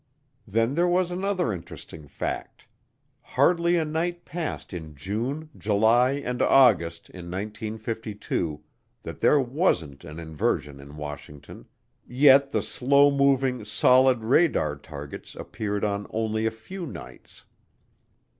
Then there was another interesting fact: hardly a night passed in June, July, and August in 1952 that there wasn't an inversion in Washington, yet the slow moving, "solid" radar targets appeared on only a few nights.